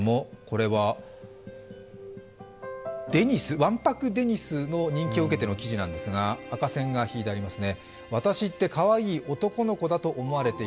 「わんぱくデニス」の人気を受けての記事ですが、赤線が引いてありますね。